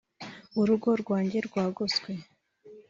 urugo rwanjye rwagoswe